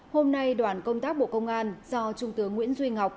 hôm nay đoàn công tác bộ công an do trung tướng nguyễn duy ngọc